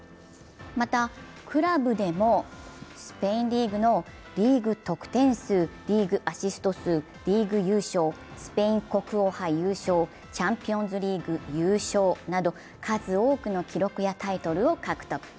またクラブでもスペインリーグのリーグ得点数、リーグ優勝、スペイン国王杯優勝、チャンピオンズリーグ優勝など数多くの記録やタイトルを獲得。